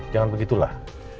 jangan begitu lah